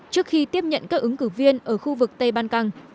trước khi tiếp nhận các ứng cử viên ở khu vực tây ban căng